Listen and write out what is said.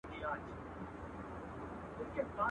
دا قیامت چي هر چا ولېدی حیران سو.